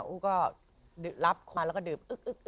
อุ๊กก็รับความแล้วก็ดื่ม